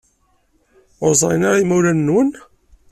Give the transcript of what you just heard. Ur ẓrin ara yimawlan-nwen?